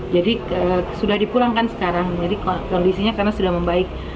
jadi sudah dipulangkan sekarang jadi kondisinya karena sudah membaik